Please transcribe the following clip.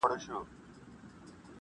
• لکه نکل د ماشومي شپې په زړه کي -